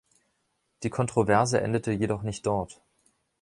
Die Kontroverse endete jedoch nicht dort.